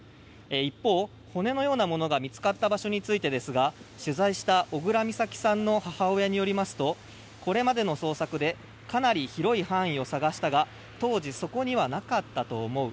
一方、骨のようなものが見つかった場所ですが取材した小倉美咲さんの母親によりますとこれまでの捜索でかなり広い範囲を捜したが当時、そこにはなかったと思う。